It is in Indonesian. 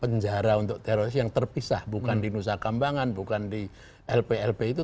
penjara untuk teroris yang terpisah bukan di nusa kambangan bukan di lplp itu